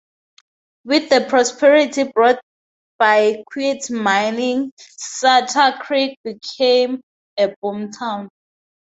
With the prosperity brought by quartz mining, Sutter Creek became a boomtown.